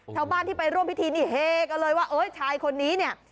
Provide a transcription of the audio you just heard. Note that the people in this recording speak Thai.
ชาวบ้านที่ไปร่วมพิธีเนียงเลยว่าชายคนนี้นี่